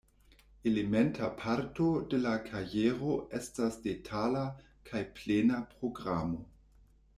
Elementa parto de la kajero estas detala kaj plena programo.